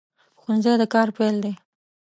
ښوونځی د کار پیل دی